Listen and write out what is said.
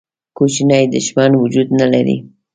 کوچنی دښمن وجود نه لري.